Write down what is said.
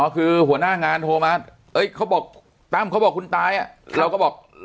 คือหัวหน้างานโทรมาเขาบอกตั้มเขาบอกคุณตายเราก็บอก